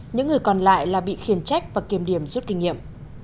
những người còn lại là bị khiển trách và kiềm điểm rút kinh nghiệm